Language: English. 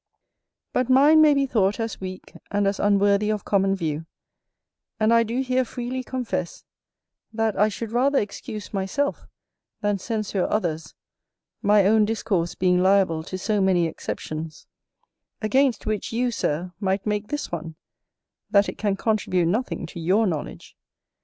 But mine may be thought as weak, and as unworthy of common view; and I do here freely confess, that I should rather excuse myself, than censure others, my own discourse being liable to so many exceptions; against which you, Sir, might make this one, that it can contribute nothing to YOUR knowledge.